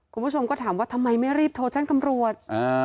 คุณผู้ชมก็ถามว่าทำไมไม่รีบโทรแจ้งตำรวจ